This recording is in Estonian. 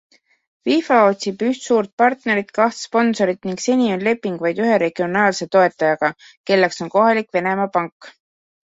FIFA otsib üht suur partnerit, kaht sponsorit ning seni on leping vaid ühe regionaalse toetajaga, kelleks on kohalik Venemaa pank.